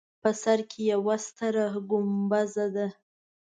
په سر کې یوه ستره ګومبزه ده.